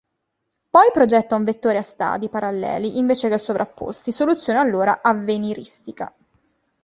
Poi progetta un vettore a stadi paralleli invece che sovrapposti, soluzione allora avveniristica.